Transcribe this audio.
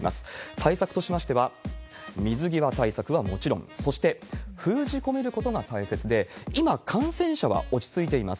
対策としましては、水際対策はもちろん、そして封じ込めることが大切で、今、感染者は落ち着いています。